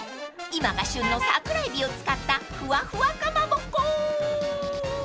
［今が旬の桜えびを使ったふわふわかまぼこ］